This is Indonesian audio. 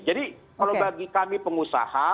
jadi kalau bagi kami pengusaha